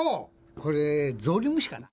これ、ゾウリムシかな。